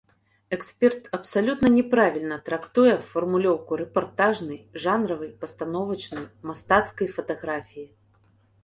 Эксперт абсалютна няправільна трактуе фармулёўку рэпартажнай, жанравай, пастановачнай, мастацкай фатаграфіі.